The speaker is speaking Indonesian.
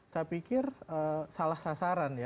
saya pikir salah sasaran ya